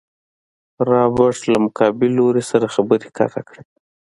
رابرټ له مقابل لوري سره خبرې قطع کړې.